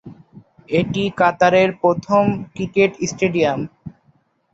এটি কাতারের প্রথম ক্রিকেট স্টেডিয়াম।